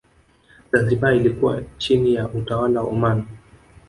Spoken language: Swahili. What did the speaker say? Zanzibar ilikuwa chini ya utawala wa Oman